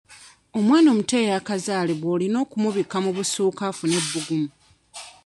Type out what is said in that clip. Omwana omuto eyakazaalibwa olina omubikka mu busuuka afune ebbugumu.